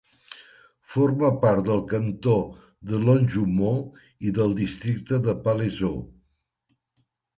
Forma part del cantó de Longjumeau i del districte de Palaiseau.